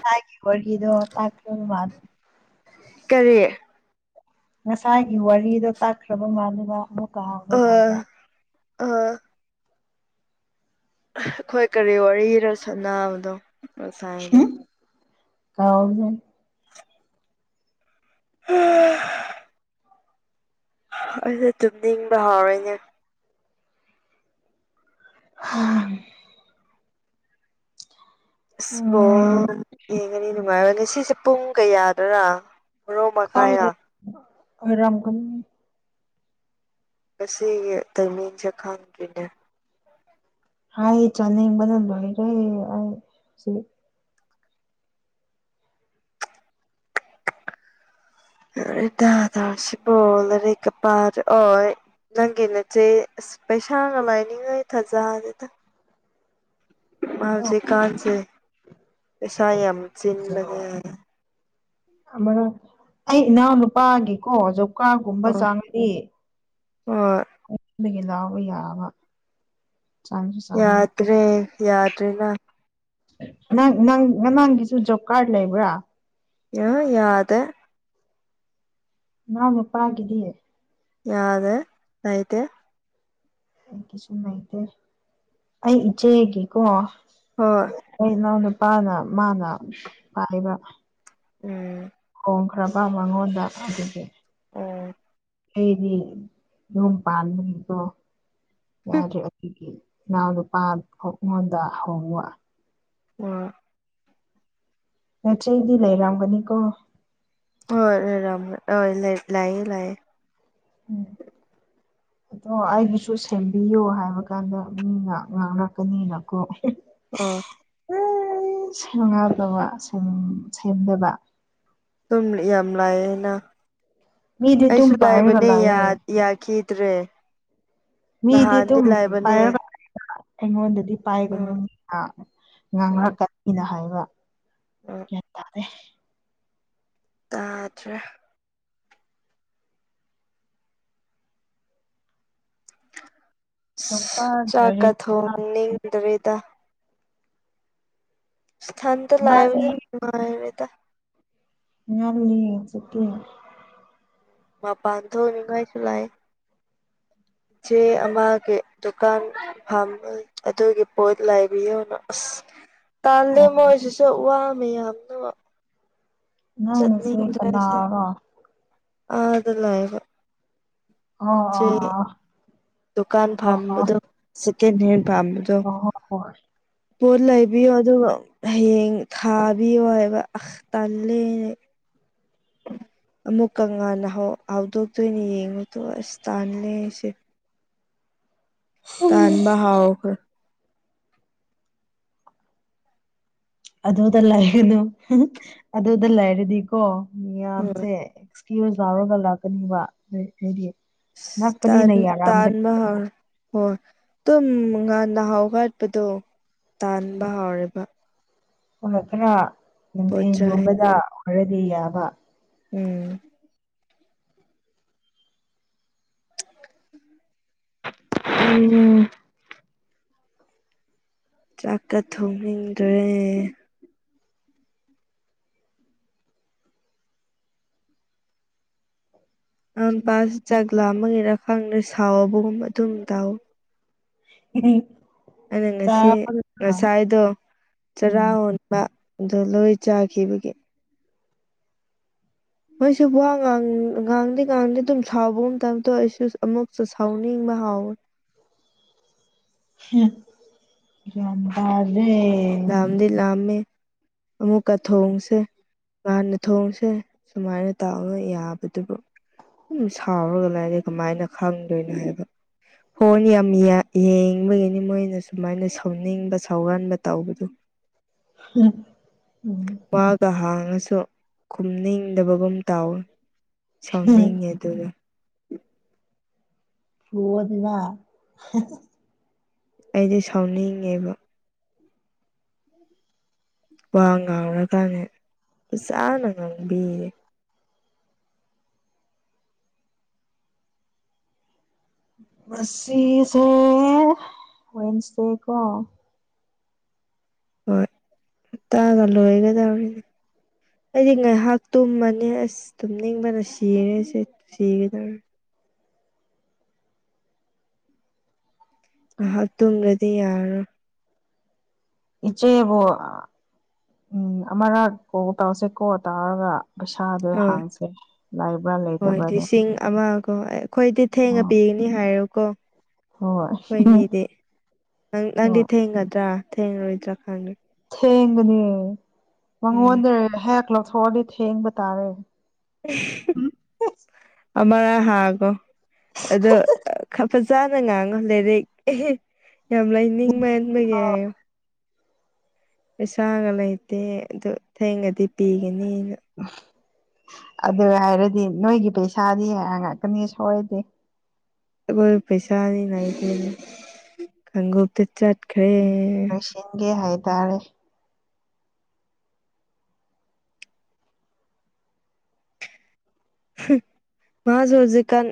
ꯇꯥꯏꯒꯤ ꯋꯔꯤꯗꯣ [unintelligible] ꯀꯔꯤ ꯉꯁꯥꯏꯒꯤ ꯋꯥꯔꯤꯗꯣ ꯇꯥꯛꯈ꯭ꯔꯕ ꯃꯥꯜꯂꯦꯕ ꯑꯃꯨꯛꯀ ꯍꯪꯉꯣ ꯍꯥꯏꯕ ꯑꯥ ꯑꯩꯈꯣꯏ ꯀꯔꯤ ꯋꯥꯔꯤꯔꯣ ꯁꯥꯟꯕꯗꯣ [unintelligible] ꯀꯥꯎꯏꯍꯦ ꯍꯥ ꯑꯩꯁꯦ ꯇꯨꯝꯅꯤꯡꯕ ꯍꯧꯔꯦꯅꯦ ꯍꯝ ꯑꯁ ꯕꯣꯜ ꯎꯝ ꯌꯦꯡꯒꯅꯤ ꯅꯨꯡꯉꯥꯏꯕꯅꯤ ꯁꯤꯁꯦ ꯄꯨꯡ ꯀꯌꯥꯗꯔꯥ ꯕꯥꯔꯣ ꯈꯪꯗꯦ ꯃꯈꯥꯏꯔ ꯑꫭꯏꯔꯝꯒꯅꯤ ꯉꯁꯤꯒꯤ ꯇꯥꯏꯃꯤꯡꯁꯦ ꯈꯪꯗꯦꯅꯦ ꯍꯩ ꯆꯥꯅꯤꯡꯕꯅ ꯂꯣꯏꯔꯦ ꯑꯩ ꯁꯤ ꯉꯥꯎꯔꯦꯗ ꯇꯧꯔꯤꯁꯤꯕꫭ ꯂꯥꯏꯔꯤꯛꯇ ꯄꯥ ꯑꯣ ꯅꯪꯒꯤ ꯅꯆꯦ ꯄꯩꯁꯥꯅ ꯂꯥꯏꯅꯤꯡꯉꯥꯏ ꯊꯥꯖꯗꯦꯗ ꯃꯥꯥ ꯍꯧꯖꯤꯛꯀꯥꯟꯁꯦ ꯄꯩꯁꯥ ꯌꯥꯝ ꯆꯤꯟꯕꯒ [inaudible] ꯑꯃꯅ ꯑꯩ ꯏꯅꯥꯎ ꯅꯨꯄꯥꯒꯤꯀꯣ ꯖꯧ ꯀꯀꯥꯒꯨꯝꯕ ꯑꯣ ꯆꯥꯉꯗꯤ ꯍꯣꯏ ꯑꯩꯉꯗꯒꯤ ꯂꯥꯎꯕ ꯌꯥꯕ ꯆꯥꯡꯁꯨ ꯆꯥꯡꯅꯗꯦ ꯌꯥꯗ꯭ꯔꯦ ꯌꯥꯗꯔꯤꯅ ꯅꯪ ꯅꯪ ꯅꯃꯥꯡꯒꯤꯁꯨ ꯖꯣꯕ ꯀꯥꯔꯗ ꯂꯩꯕ꯭ꯔꯥ ꯌꯥ ꯌꯥꯗꯦ ꯅꯅꯥꯥꯎꯄꯗꯨꯗꯤ ꯌꯥꯗꯦ ꯂꯩꯇꯦ ꯑꯩ ꯀꯁꯨꯨꯝꯉꯥꯏꯇꯦ ꯑꯩ ꯏꯆꯦꯒꯤꯀꯣ ꯍꯣꯏ ꯑꯩꯏ ꯏꯅꯥꯎ ꯅꯨꯄꯥꯅ ꯃꯥꯅ ꯄꯥꯏꯕ ꯎꯝ ꯍꯣꯡꯈ꯭ꯔꯕ ꯃꯉꯣꯟꯗ ꯑꯗꯨꯒꯤ ꯎꯝ ꯑꯩꯗꯤ ꯌꯨꯝ ꯄꯥꯟꯕꯒꯤꯗꯣ ꯌꯥꯗꯔꯤ ꯑꯗꯨꯒꯤ ꯏꯅꯥꯎ ꯅꯨꯄꯥꯍꯧꯈꫭꯟꯗ ꯍꯧꯕ ꯎꯝ ꯅꯆꯦꯗꯤ ꯂꯩꯔꯝꯒꯅꯤꯀꯣ ꯍꫭꯏ ꯂꯩꯔꯝ ꯑꫭꯏ ꯂꯩꯌꯦ ꯂꯩꯌꯦ ꯎꯝ ꯑꯗꯣ ꯑꯩꯒꯤꯁꯨ ꯁꯦꯝꯕꯤꯌꯣ ꯍꯥꯏꯕ ꯀꯥꯟꯗ ꯃꯤꯅ ꯉꯥꯡꯂꯛꯀꯅꯤꯅꯀꫭ ꯑꯣ ꯑꯦ ꯁꯦꯝ ꯉꯗꯕ ꯁꯦꯝꯗꯕ ꯁꯨꯝ ꯌꯥꯝ ꯂꯥꯛꯑꯦꯅ ꯃꯤꯗꯤ ꯑꯗꯨꯝ ꯑꯩꯁꯨ ꯄꯥꯏꯔꯒ ꯂꯥꯏꯕꯅꯦ ꯌꯥ ꯂꯥꯛꯑꯦ ꯌꯥꯈꯤꯗ꯭ꯔꯦ ꯅꯍꯥꯟꯗꯤ ꯃꯤꯗꯤꯗꯨꯝ [unintelligible] ꯂꯥꯏꯕꯅꯦ ꯑꯩꯉꯣꯟꯗꯗꯤ ꯎꯝ ꯄꯥꯏꯒꯅꯨ ꯎꯝ ꯉꯥꯡꯂꯛꯀꯅꯤꯅ ꯍꯥꯏꯕ ꯎꯝ ꯌꯥꯟꯇꯥꯗꯦ ꯇꯥꯗ꯭ꯔꯦ ꯖꯣꯕ ꯑꯁ ꯀꯥꯔꯗ ꯂꯣꯏꯔꯗꯤ ꯆꯥꯛꯀ ꯊꯣꯡꯅꯤꯡꯗ꯭ꯔꯦꯗ ꯏꯊꯟꯗ ꯉꯜꯂꯤ ꯂꯩꯕꯗꯨ ꯕꯅꯨꯡꯉꯥꯏꯔꫭꯏꯗ ꯉꯜꯂꯤ ꯍꯧꯖꯤꯛꯇꯤ ꯃꯥꯄꯥꯟ ꯊꫭꯛꯎꯏ ꯃꯩꯁꯨ ꯂꯥꯛꯑꯦ ꯏꯆꯦ ꯑꯃꯒꯤ‌ꯗꯨꯀꯥꯟ ꯐꯝꯕ ꯑꯗꯨꯒꯤ ꯄꯣꯠ ꯂꯩꯕꯤꯌꯨꯅ ꯑꯁ ꯇꯥꯜꯂꯤ ꯑꯣ ꯃꯣꯏꯁꯤꯁꯨ ꯋꯥ ꯃꯌꯥꯝꯗꯨꯒ ꯅꯪ ꯅꯆꯦ ꯆꯠꯅꯤꯗꯁꯦ ꯀꯅꯥꯔꯣ ꯑꯥꯗ ꯂꯩꯕ ꯑꯣ ꯏꯆꯦ ꯗꯨꯀꯥꯟ ꯑꯣ ꯑꯣ ꯑꯣ ꯐꯝꯕꯗꯣ ꯁꯦꯀꯦꯟ ꯍꯦꯟ ꯄꯥꯝꯕꯗꯣ ꯑꯣ ꯑꯣ ꯍꯣꯏ ꯄꯣꯠ ꯂꯩꯕꯤꯌꯣ ꯑꯗꯨꯒ ꯍꯌꯦꯡ ꯊꯥꯕꯤꯌꯣ ꯍꯥꯏꯕ ꯑꯁ ꯇꯜꯂꯦꯅꯦ [unintelligible] ꯑꯃꯨꯛ ꯀꯉꯥꯟꯅ ꯍꯧꯗꯣꯛꯇꯣꯏꯅ ꯌꯦꯡꯉꯨꯗꯣ ꯑꯁ ꯇꯥꯜꯂꯦ ꯑꯩꯁꯦ ꯇꯥꯟꯕ ꯍꯥꯥꯎꯑꯣꯈꯔ ꯑꯗꯨꯗ ꯂꯩꯒꯅꯨ ꯑꯗꯨꯗ ꯂꯩꯔꯗꯤꯀꯣ ꯍꯣꯏ ꯃꯤꯌꯥꯝꯁꯦ ꯇꯤꯌ ꯌꯥꯥꯎꯔꯒ ꯂꯥꯛꯀꯅꯤꯕ ꯍꯥꯏꯗꯤ ꯇꯥꯟ ꯅꯛꯄꯅꯤꯅ ꯌꯥꯔꯝꯒꯅꯤ ꯇꯥꯟꯃꯍꯜ ꯍꯣꯏ ꯑꯗꯨꯝ ꯉꯥꯟ ꯅꯍꯥꯎꯒꯠꯄꯗꯣ ꯇꯥꯟꯕ ꯍꯥꯎꯦꯕ ꯂꯛꯇꯅ ꯄꯣꯠ ꯆꯩ ꯅꯨꯡꯊꯦꯝꯒꯨꯝꯕꯗ ꯍꯔꯗꯤ ꯌꯥꯕ ꯎꯝ ꯎꯝ ꯆꯥꯛꯀ ꯊꯣꯡꯅꯤꯡꯗ꯭ꯔꯦ ꯑꯝꯄꯥꯁ ꯆꯥꯛ ꯂꯥꯝꯕꯒꯤꯔ ꯈꯪꯗꯦ ꯁꯥꯎꯕꯒꯨꯝ ꯑꯗꯨꯝ ꯇꯧ ꯎꯝ ꯑꯩꯅ ꯉꯁꯤ ꯉꯁꯥꯏꯗꯣ ꯆꯔꯥ ꯎꯝ ꯍꯣꯟꯕ ꯑꯗꯣ ꯂꯣꯏ ꯆꯥꯈꯤꯕꯒꯤ ꯃꯣꯏꯁꯨ ꯋꯥ ꯉꯥꯡꯗꯦ ꯉꯥꯡꯗꯦ ꯑꯗꯨꯝ ꯁꯥꯎꯕꯒꯨꯝ ꯇꯥꯞ ꯇꯧꯌꯦ ꯑꯩꯁꯨ ꯑꯃꯨꯛꯁꯨ ꯁꯥꯎꯅꯤꯡꯕ ꯍꯥꯎꯋ ꯍꯨꯝ ꯒꯌꯥꯟ ꯇꯥꯗꯔꯦ ꯂꯝꯗꯤ ꯂꯝꯃꯦ ꯑꯃꯨꯛꯀ ꯊꯣꯡꯁꯦ ꯉꯥꯟꯅ ꯊꯣꯡꯁꯦ ꯁꯨꯃꯥꯏꯅ ꯇꯥꯛꯑꯒ ꯌꯥꯕꯗꯨꯕꯨ ꯑꯗꯨꯝ ꯁꯥꯎꯔꯒ ꯂꯥꯏ ꯀꯃꯥꯏꯅ ꯈꯪꯗꯣꯏꯅꯣ ꯍꯥꯏꯕ ꯍꯣꯔꯅ ꯌꯥꯝ ꯌꯦꯡꯕꯒꯤꯅꯤ ꯃꯣꯏꯅ ꯁꯨꯃꯥꯏꯅ ꯁꯥꯎꯅꯤꯡꯕ ꯁꯧꯍꯟꯕ ꯇꯧꯕꯗꯨꯣ ꯎꯝ ꯃꯥꯒ ꯍꯥꯡꯉꯁꯨ ꯈꯨꯝꯅꯤꯡꯗꯕꯒꯨꯝ ꯇꯥꯎꯋꯤ ꯁꯥꯎꯅꯤꯡꯉꯦ ꯑꯗꯨ ꯍ ꯑꯗꯨꯅ ꯑꯩꯗꯤ ꯁꯥꯎꯅꯤꯡꯉꯦꯕ ꯋꯥ ꯉꯥꯡꯔꯀꯥꯟꯅꯦꯦ ꯆꯥꯅ ꯉꯥꯡꯕꯤꯌꯦꯦ ꯁꯦꯋꯁꯇꯦ ꯀꯣ ꯍꯣꯏ ꯍꯇꯥꯒ ꯂꯣꯏꯒꯗꯧꯔꯤꯅꯦ ꯑꯩꯗꯤ ꯉꯥꯏꯍꯥꯛ ꯇꯨꯝꯃꯅꯤ ꯑꯁ ꯇꯨꯝꯅꯤꯡꯕꯅ ꯁꯤꯔꯦ ꯁꯤ ꯁꯤꯒꯗꯕꯅꯤ ꯑ ꯇꯨꯝ꯭ꯔꯗꯤ ꯌꯥꯔ ꯏꯆꯦꯕꯨ ꯎꯝ ꯑꯃꯔꯛ ꯀꯣ ꯇꯥꯎꯁꯦꯀꯣ ꯇꯥꯔꯒ ꯍꯣꯏ ꯍꯣꯏ ꯂꯩꯇꯕ꯭ꯔꯥꯗꯣ ꯂꯤꯁꯤꯡ ꯑꯃꯒ ꯑꯩꯈꯣꯏꯗꯤ ꯊꯦꯡꯉ ꯍꯣꯏ ꯄꯤꯅꯤ ꯅꯤ ꯍꯥꯏꯔꯣꯀꯣ ꯍꯣꯏ ꯑꯩꯈꯣꯏꯅꯤꯗꯤ ꯅꯪ ꯅꯪꯗꯤ ꯍꯣꯏ ꯊꯦꯡꯒꯗ꯭ꯔꯥ ꯦꯡꯅ ꯎꯠꯇꯔꯥꯈꯟ ꯊꯦꯡꯕꯅꯤ ꯎꯝ ꯃꯉꯣꯟꯗ ꯍꯦꯛ ꯂꯧꯊꯣꯛꯑꯗꯤ ꯊꯦꯡꯕ ꯇꯥꯔꯦ ꯑꯔ ꯍꯥꯏꯒꯣ ꯑꯗꯣ ꯐꯖꯅ ꯉꯥꯡꯉꯣ ꯂꯥꯏꯔꯤꯛ ꯌꯥꯝ ꯂꯩꯥꯏꯅꯤꯡ ꯃꯍꯟꯕꯒꯤ ꯍꯥꯏꯌꯣ ꯄꯩꯁꯥꯒ ꯂꯩꯇꯦ ꯑꯗꯨ ꯊꯦꯡꯉꯗꯤ ꯄꯤꯒꯅꯤꯅ ꯑꯗꯨ ꯍꯥꯏꯔꯗꯤ ꯅꯣꯏꯒꯤ ꯄꯩꯁꯥꯗꯤ ꯍꯥꯡꯉꯛꯀꯅꯤ ꯁꯣꯏꯗꯦ ꯑꯩꯈꯣꯏ ꯄꯩꯁꯥꯅꯤ ꯅꯥꯏꯗꯦꯅꯦ ꯈꯎꯞꯇ ꯆꯠꯈ꯭ꯔꯦ ꯦ ꯍꯥꯏꯇꯥꯥꯔꯦ ꯃꯥꯁꯨ ꯍꯧꯖꯤꯛꯀꯥꯟ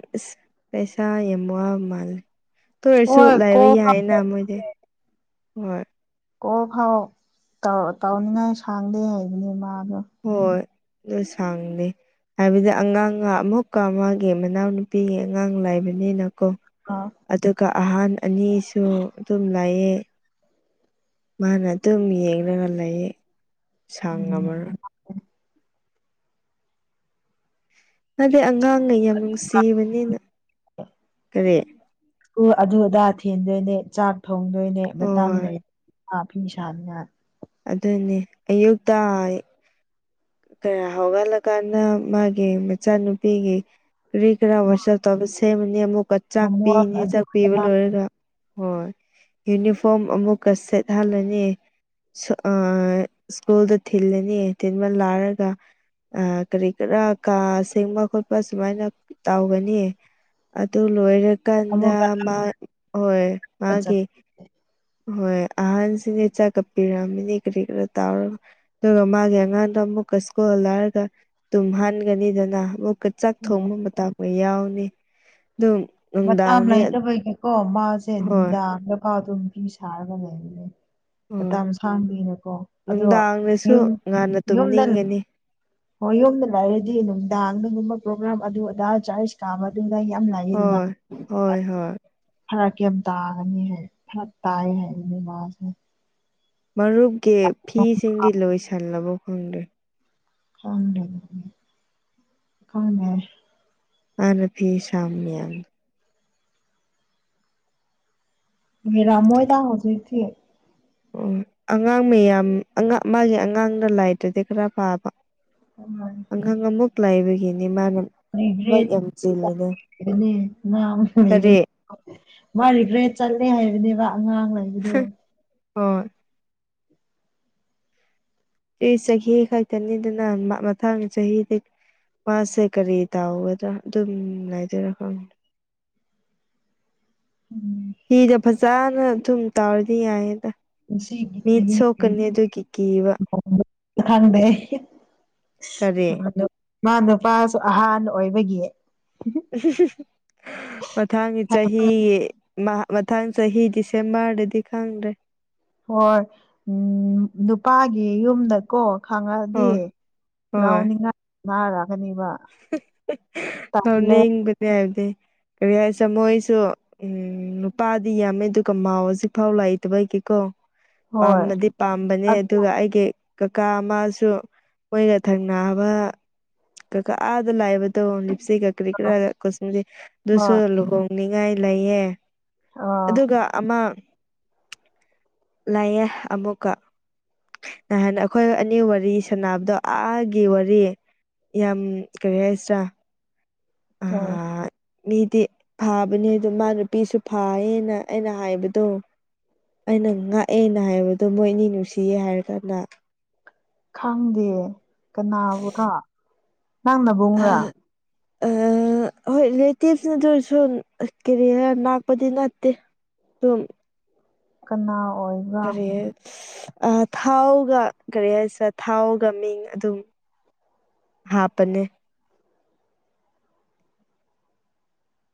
ꯄꯩꯁꯥ ꯌꯥꯝ ꯃꯥꯜꯂꯦ ꯇ ꯑꯣꯏꯔꯁꯨ ꯍꯣꯏ ꯂꯥꯏꯕ ꯀꯣꯜ ꯌꯥꯏꯌꯦꯅ ꯐꯥꯎ ꯃꯣꯏꯗꯤ ꯍꯣꯏ ꯀ ꯐꯥꯎꯧ ꯇꯧꯅꯤꯅ ꯑꯩ ꯁꯥꯡꯗꯦ ꯍꯥꯏꯕꯅꯦ ꯃꯥꯗꯣ ꯍꯣꯏ ꯑꯗꯨ ꯁꯥꯡꯅꯦ ꯍꯥꯏꯕꯗꯤ ꯑꯉꯥꯡꯒ ꯑꯃꯨꯛꯀ ꯃꯥꯒꯤ ꯃꯅꯥꯎꯅꯨꯄꯤꯒꯤ ꯑꯉꯥꯡ ꯂꯥꯏꯕꯅꯤꯅꯀꯣ ꯑꯥ ꯑꯗꯨꯒ ꯑꯍꯥꯟ ꯑꯅꯤꯁꯨ ꯑꯗꯨꯝ ꯂꯥꯏꯑꯦ ꯃꯥꯅ ꯑꯗꯨꯝ ꯌꯦꯡꯒ ꯂꯩꯌꯦ ꯁꯥꯡꯉꯝꯃꯔꯣꯢ ꯎꯝ ꯅꯠꯇꯦ ꯑꯉꯥꯡꯅ ꯌꯥꯝ ꯅꯨꯡꯁꯤꯕꯅꯤꯅ ꯀꯔꯤ ꯎ ꯑꯗꯨ ꯑꯗꯥ ꯊꯦꯟꯗꯣꯏꯅꯦ ꯆꯥꯛ ꯊꯣꯡꯗꯣꯏꯅꯦ ꯃꯇꯝ ꯍꯣꯏ ꯂꯩꯔ ꯐꯤ ꯁꯥꯅꯤꯉꯥꯢ ꯑꯗꯨꯅꯦ ꯑꯌꯨꯛꯇꯥꯢ ꯀꯔ ꯍꯧꯒꯠꯂꯀꯥꯟꯗ ꯃꯥꯒꯤ ꯃꯆꯥꯅꯨꯄꯤꯒꯤ ꯀꯔꯤ ꯀꯔ ꯋꯥꯁꯑꯄ ꯇꯧꯕꯁꯦ [unintelligible] ꯑꯃꯨꯛꯀ ꯆꯥꯛ ꯍꯣꯝꯋꯥꯛ ꯄꯤꯅꯤ ꯑꯗꯨ ꯆꯥꯛ ꯄꯤꯕ ꯑꯗꯥ ꯂꯣꯏꯔꯒ ꯍꯣꯏ ꯌꯨꯅꯤꯐꯣꯔꯝ ꯑꯃꯨꯛꯀ ꯁꯦꯠꯍꯜꯂꯅꯤ ꯁ꯭ꯀꯨꯜꯗ ꯊꯤꯜꯂꯅꯤ ꯇꯤꯟꯕ ꯂꯥꯛꯔꯒ ꯀꯔꯤ ꯀꯔꯥ ꯀꯥ ꯁꯦꯡꯕ ꯈꯣꯠꯄ ꯁꯨꯃꯥꯏꯅ ꯇꯧꯒꯅꯤ ꯑꯗꯨ ꯂꯣꯏꯔꯀꯥꯟꯗ ꯑꯃꯨꯛꯀ ꯍꯣꯏ ꯃꯥꯒꯤ ꯆꯠꯇꯣꯏꯅꯦ ꯍꯣꯏ ꯑꯍꯟꯁꯤꯅꯦ ꯆꯥꯛ ꯀꯞꯄꯤꯔꯛꯑꯃꯤꯅꯦ ꯀꯔꯤ ꯀꯔ ꯇꯥꯎꯔꯒ ꯑꯗꯨꯒ ꯃꯥꯒꯤ ꯑꯉꯥꯡꯗꯣ ꯑꯃꯨꯛꯀ ꯁ꯭ꯀꯨꯜ ꯂꯔꯒ ꯇꯨꯝꯍꯟꯒꯅꯤꯗꯅ ꯑꯃꯨꯛꯀ ꯆꯥꯛ ꯑꯣ ꯊꯣꯡꯕ ꯑꯃ ꯇꯥꯛꯄ ꯌꯥꯎꯅꯤ ꯑꯗꯨꯝ꯫ ꯃꯇꯝ ꯅꯨꯡꯗꯥꯡꯅꯤ ꯂꯩꯇꯕꯒꯤꯀꯣ ꯃꯥꯁꯦ ꯍꯣꯏ ꯅꯨꯡꯗꯥꯡꯗꯀꯥꯎ ꯑꯗꯨꯝ ꯐꯤ ꯁꯥꯔꯒ ꯂꯩꯕꯅꯦ꯫ ꯍꯣꯏ ꯃꯇꯝ ꯁꯥꯡꯕꯤꯅꯀꯣ ꯑꯗꯣ ꯅꯨꯡꯗꯥꯡꯗꯁꯨ ꯌꯨꯝ ꯉꯟꯅ ꯌꯨꯝꯗ꯫ ꯇꯨꯝꯅꯤꯡꯒꯅꯤ ꯍꯣꯏ ꯌꯨꯝꯗ ꯂꯥꯏꯔꯗꯤ ꯅꯨꯡꯗꯥꯡ ꯑꯗꯨꯒꯒꯨꯝꯕ ꯄ꯭ꯔꯣꯒ꯭ꯔꯥꯝ ꯑꯗꯨ ꯑꯗꯥ ꯆꯥꯔꯖ ꯀꯥꯕ ꯑꯗꯨꯗ ꯌꯥꯝ ꯂꯥꯛ꯫ ꯍꯣꯏ ꯍꯣꯏ ꯍꯣꯏ꯫ ꯐꯔꯛ ꯌꯥꯝ ꯇꯥꯒꯅꯤ ꯍꯥꯏ ꯐꯔꯛ ꯇꯥꯏ ꯍꯥꯏꯕꯅꯦ ꯃꯥꯁꯦ꯫ ꯃꯔꯨꯞꯀꯤ ꯐꯤꯁꯤꯡꯗꯤ ꯂꯣꯏꯁꯤꯜꯂꯕ ꯈꯪꯗ꯭ꯔꯦ꯫ ꯈꯪꯗꯦ ꯈꯪꯗꯦ꯫ [unintelligible] [unintelligible] ꯑꯣ ꯑꯉꯥꯡ ꯃꯌꯥꯝ ꯑꯉꯥꯡ ꯃꯥꯒꯤ ꯑꯉꯥꯡꯅ ꯂꯥꯏꯇ꯭ꯔꯔꯗꯤ ꯈꯔ ꯐꯕ [inaudible] [unintelligible] ꯑꯃꯨꯛ ꯂꯥꯏꯕꯒꯤꯅꯤ ꯃꯥꯅ ꯊꯕꯛ ꯌꯥꯝ ꯆꯤꯜꯂꯤꯗꯣ [unintelligible] ꯀꯔꯤ ꯃꯥ ꯔꯤꯒ꯭ꯔꯦꯠ ꯆꯠꯂꯦ ꯍꯥꯏꯕꯅꯦꯕ ꯑꯉꯥꯡ ꯂꯩ ꯍꯣꯢ ꯑꯩ ꯆꯍꯤ ꯈꯛꯇꯅꯤꯗꯅ ꯃꯊꯪ ꯆꯍꯤꯗꯤ꯫ ꯃꯥꯁꯦ ꯀꯔꯤ ꯇꯥꯎꯒꯗ꯭ꯔꯥ ꯑꯗꯨꯝ ꯂꯩꯗꯣꯏꯔꯥ ꯈꯪ꯫ ꯎꯝ꯫ ꯍꯤꯗꯣ ꯐꯥꯖꯅ ꯊꯨꯝ꯫ ꯇꯥꯔꯗꯤ ꯌꯥꯏꯌꯦꯗ ꯉꯁꯤꯒꯤ ꯃꯤꯠ ꯆꯍꯤ ꯁꯣꯛꯀꯅꯤ ꯑꯗꯨꯒꯤ ꯀꯤꯕ꯫ ꯈꯪꯗꯦ ꯀꯔꯤ ꯃꯥ ꯅꯨꯄꯥꯁꯨ ꯑꯍꯥꯟꯕ ꯑꯣꯏꯕꯒꯤ ꯃꯊꯪꯒꯤ ꯆꯍꯤ ꯃꯥ ꯃꯊꯪ ꯆꯍꯤ ꯗꯤꯁꯦꯝꯕꯔꯗꯗꯤ ꯈꯪꯗ꯭ꯔꯦ꯫ ꯍꯣꯏ ꯎꯝ ꯅꯨꯄꯥꯒꯤ ꯌꯨꯝꯗ꯫ ꯀꯣ ꯈꯪꯉꯛꯑꯗꯤ ꯍꯣꯏ ꯂꯥꯎꯅꯤꯡꯉꯥꯏ ꯅꯥꯔꯛꯀꯅꯤꯕ꯫ ꯂꯧꯅꯤꯡꯕꯅꯦ ꯍꯥꯏꯕꯗꯤ ꯀꯔꯤ ꯍꯥꯏꯁ ꯃꯣꯏꯁꯨ꯫ ꯎꯝ ꯅꯨꯄꯥꯗꯤ ꯌꯥꯝꯃꯦ ꯑꯗꯨꯒ ꯃꯥꯎ ꯍꯧꯖꯤꯛꯐꯥꯎ ꯂꯩꯇꯕꯩꯒꯤꯀꯣ꯫ ꯍꯣꯏ ꯄꯥꯝꯕꯗꯤ ꯄꯥꯝꯕꯅꯦ ꯑꯗꯨ ꯑꯗꯨꯒ ꯑꯩꯒꯤ꯫ ꯀꯀꯥ ꯑꯃꯁꯨ ꯃꯣꯏꯒ ꯊꯪꯅꯕ꯫ ꯀꯀꯥ ꯑꯥꯗ ꯂꯥꯏꯕꯗ ꯂꯤꯞꯁꯇꯤꯛ ꯀꯔꯤ ꯀꯔꯥꯒ ꯑꯗꯨꯁꯨ ꯍꯣꯏ ꯂꯨꯍꫭꯡ ꯅꯤꯡꯉꯥꯏ ꯂꯩꯌꯦ ꯑꯥ ꯑꯗꯨꯒ ꯑꯃ꯫ ꯂꯩꯌꯦ ꯑꯃꯨꯛ ꯀꯥ꯫ ꯅꯍꯥꯟ ꯑꯩꯈꯣꯏ ꯑꯅꯤ ꯋꯥꯔꯤ ꯁꯥꯟꯅꯕꯗꯣ ꯑꯥꯒꯤ ꯋꯥꯔꯤ꯫ ꯌꯥꯝ ꯀꯔꯤ ꯍꯥꯏꯁꯤꯔꯥ꯫ ꯑꯣ ꯑꯥ ꯃꯤꯗꯤ ꯐꯥꯕꯅꯦ ꯑꯗꯣ ꯃꯥ ꯅꯨꯄꯤꯁꯨ ꯐꯥꯌꯦꯅ ꯑꯩꯅ ꯍꯥꯏꯕꯗꯣ꯫ ꯑꯩꯅ ꯉꯥꯛꯑꯦꯅ ꯍꯥꯏꯕꯗꯣ ꯃꯣꯏ ꯑꯅꯤ ꯅꯨꯡꯁꯤꯌꯦ ꯍꯥꯏꯔ ꯀꯥꯟꯗ ꯈꯥꯡꯗꯦ ꯀꯅꯥꯕꯨꯔ ꯅꯪ ꯅꯕꯨꯡꯔꯥ꯫ ꯑꯥ ꯑ [inaudible] ꯍꯣꯏ ꯔꯤꯂꯦꯇꯤꯚ ꯅꯠꯇꯔꯁꯨ ꯑ ꯀꯦꯔꯤꯌꯔ ꯅꯥꯛꯄꯗꯤ ꯅꯠꯇꯦ ꯁꯨꯝ꯫ ꯀꯅꯥ ꯑꯣꯏ꯫ ꯀꯔꯤꯌꯦ ꯑ ꯊꯥꯎꯒ ꯀꯔꯤ ꯍꯥꯏꯁꯤꯔ ꯊꯥꯎꯒ ꯃꯤꯡ ꯑꯗꯨꯝ꯫ ꯍꯥꯥꯞꯄꯅꯦ꯫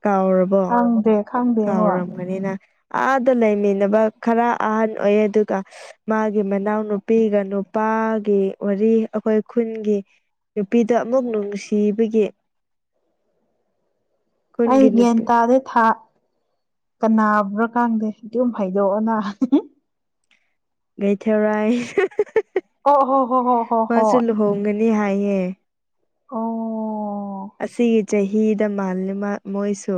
ꯀꯥꯎꯔꯕꯣ ꯈꯪꯗꯦ ꯈꯪꯗꯦ ꯍꯣꯏ ꯀꯥꯎꯔꯝꯒꯅꯤꯅ꯫ ꯑꯥꯗ ꯂꯩꯃꯤꯟꯅꯕ ꯈꯔ ꯑꯍꯟ ꯑꯣꯏꯌꯦ ꯑꯗꯨꯒ꯫ ꯃꯥꯒꯤ ꯃꯅꯥꯎꯅꯨꯄꯤꯒ ꯅꯨꯄꯥꯒꯤ ꯋꯥꯔꯤ ꯑꯈꯣꯏ ꯈꯨꯟꯒꯤ꯫ ꯅꯨꯄꯤꯗꯣ ꯑꯃꯨꯛ ꯅꯨꯡꯁꯤꯕꯒꯤ꯫ ꯑꯩ ꯈꯨꯟꯒꯤ ꯒ꯭ꯌꯥꯟ ꯅꯨꯄꯤ ꯇꯥꯗꯦ ꯊꯥ꯫ ꯀꯅꯥꯕꯨꯅꯣ ꯈꯪꯗꯦ ꯑꯗꯨꯝ ꯍꯥꯢꯗꯣꯛꯑꯣꯅ ꯃꯦꯊꯤꯔꯥꯢ ꯑꯣ ꯍꯣ ꯍꯣ ꯍꯣ ꯍꯣ ꯍꯣꯏ ꯒꯅꯤ ꯍꯥꯏꯌꯦ ꯑꯣ ꯑꯁꯤꯒꯤ ꯆꯍꯤꯗ ꯃꯥꯜꯂꯤꯕ ꯃꯣꯏꯁꯨ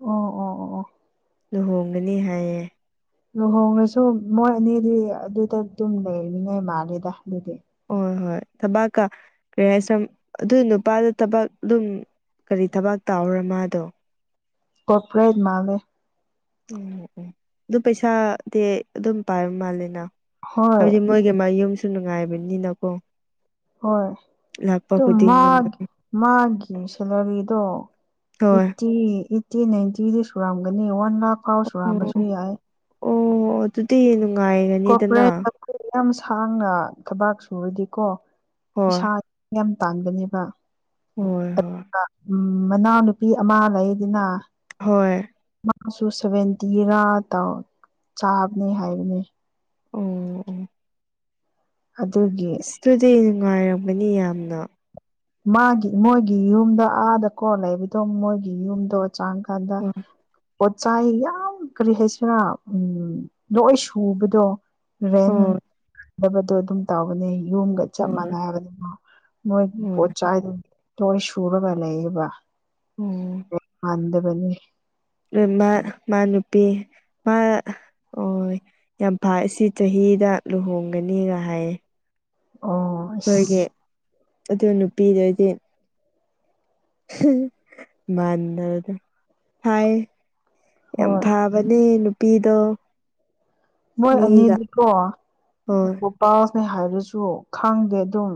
ꯑꯣ ꯑꯣ ꯑꯣ ꯑꯣ ꯂꯨꯍꯣꯡꯒꯅꯤ ꯍꯥꯏꯌꯦ ꯂꯨꯍꯣꯡꯂꯁꯨ ꯃꯣꯏ ꯑꯅꯤꯗꯤ ꯑꯗꯨꯗ ꯗꯨꯝ ꯂꯩꯂꯤꯉꯩ ꯃꯥꯜꯂꯦꯗ ꯑꯗꯨꯗꯤ꯫ ꯍꯣꯏ ꯍꯣꯏ ꯊꯕꯥꯛꯀ ꯀꯔꯤ ꯍꯥꯏꯁꯤꯔ ꯑꯗꯨ ꯅꯨꯄꯥꯗꯨ ꯊꯕꯛ ꯑꯗꯨꯝ꯫ ꯀꯔꯤ ꯊꯕꯛ ꯇꯥꯎꯔꯦ ꯃꯥꯗꯣ꯫ ꯀꯣꯄꯔꯦꯠ ꯃꯥꯜꯂꯦ ꯎꯝ ꯎꯝ ꯑꯗꯨ ꯄꯩꯁꯥꯗꯤ ꯑꯗꯨꯝ ꯄꯥꯏꯕ ꯃꯥꯂꯦꯅ꯫ ꯍꯣꯏ ꯍꯥꯏꯕꯗꯤ ꯃꯣꯏꯒꯤ ꯃꯌꯨꯝꯁꯨ ꯅꯨꯡꯉꯥꯏꯕꯅꯤꯅꯀꯣ꯫ ꯍꯣꯏ꯫ ꯂꯥꯛꯄ ꯇꯨ ꯈꯨꯗꯤꯡꯒꯤ ꯃꯣꯏ ꯃꯥꯒꯤ ꯃꯥꯒꯤ ꯁꯦꯂꯔꯤꯗꯣ ꯍꯣꯏ ꯏꯠꯇꯤ ꯏꯠ꯫ ꯇꯤ ꯅꯥꯏꯟꯇꯤꯗꯤ ꯁꯨꯔꯝꯒꯅꯤ ꯋꯥꯟ ꯂꯥꯛ ꯐꯥꯎ ꯑꯣ ꯁꯨꯔꯝꯕꯁꯨ ꯌꯥꯏ ꯑꯣ ꯑꯗꯨꯗꯤ ꯅꯨꯡꯉꯥꯏꯒꯅꯤꯗꯅ ꯀꯣꯔꯄꯣꯔꯦꯠ ꯑꯩꯈꯣꯏ ꯌꯥꯝ ꯁꯥꯡꯅ ꯊꯕꯥꯛ ꯁꯨꯔꯗꯤꯀꯣ ꯍꯣꯏ ꯄꯤꯁꯥ ꯌꯥꯝ ꯇꯥꯟꯒꯅꯦꯕ ꯍꯣꯏ ꯍꯣꯏ ꯎꯝ ꯃꯅꯥꯎ ꯅꯨꯨꯄꯤ ꯑꯃ ꯂꯩꯗꯅ ꯍꯣꯏ ꯃꯥꯁꯨ ꯁꯦꯚꯦꯟꯇꯤꯔꯥ ꯇꯧ ꯆꯥꯕꯅꯦ ꯍꯥꯏꯕꯅꯦ ꯑꯣ ꯑꯣ ꯑꯗꯨꯒꯤ ꯑꯁ ꯑꯗꯨꯗꯤ ꯅꯨꯡꯉꯥꯏꯔꯝꯒꯅꯤ ꯌꯥꯝꯅ ꯃꯥꯒꯤ ꯃꯣꯏꯒꯤ ꯌꯨꯝꯗ ꯑꯥꯗꯀꯣ ꯂꯩꯕꯗꯣ ꯃꯣꯏꯒꯤ ꯌꯨꯝꯗꯣ ꯆꯥꯡ ꯈꯗ ꯍꯣꯏ ꯄꯣꯠꯆꯥꯏ ꯌꯥꯝ ꯀꯔꯤ ꯍꯥꯏꯁꯤꯔꯥ ꯎꯝ ꯂꯣꯏ ꯁꯨꯕꯗꯣ ꯔꯦꯟꯅ ꯍꯣꯏ ꯗꯕꯗꯣ ꯑꯗꯨꯝ ꯇꯧꯕꯅꯦ ꯌꯨꯝꯒ ꯆꯞ ꯍꯣꯏ ꯃꯥꯟꯅꯕꯅꯤꯅ ꯃꯣꯏ ꯍꯣꯏ ꯄꯣꯠꯆꯥꯏꯗꯨꯡ ꯂꯣꯏ ꯁꯨꯔꯒ ꯂꯩꯕ ꯑꯣ ꯃꯥꯟꯗꯕꯅꯤ ꯅꯣꯏꯃꯥ ꯃꯥ ꯅꯨꯄꯤ ꯃꯥ ꯑꯣꯏ ꯌꯥꯝ ꯐꯩ ꯁꯤ ꯆꯍꯤꯗ ꯂꯨꯍꯣꯡꯒꯅꯤꯒ ꯍꯥꯏꯌꯦ ꯑꯣ ꯑꯣꯏꯒꯤ ꯑꯁ ꯑꯗꯨ ꯅꯨꯄꯤꯗꯨꯗꯤ ꯃꯗꯔꯗ ꯐꯥꯏ ꯌꯥꯝ ꯍꯣꯏ ꯐꯕ ꯃꯅꯤ ꯅꯨꯄꯤꯗꯣ ꯃꯣꯏ ꯃꯤꯒ ꯑꯅꯤꯗꯨꯀꯣ ꯍꯣꯏ ꯄꯣꯄꯥꯅꯦ ꯍꯥꯏꯔꯁꯨ ꯈꯪꯗꯦ ꯑꯗꯨꯝ